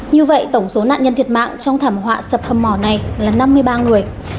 như vậy tổng số nạn nhân thiệt mạng trong thảm họa sập hầm mỏ này là năm mươi ba người